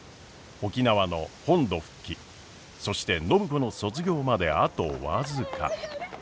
沖縄の本土復帰そして暢子の卒業まであと僅か。